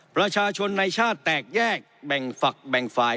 ประชาชนในชาติแตกแยกแบ่งฝักแบ่งฝ่าย